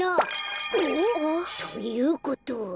お？ということは。